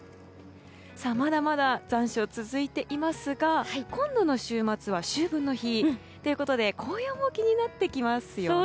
まだまだ残暑が続いていますが今度の週末は秋分の日ということで紅葉も気になってきますよね。